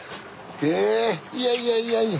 えいやいやいやいや。